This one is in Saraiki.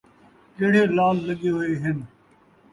کیڑھے لعل لڳے ہوئے ہن ؟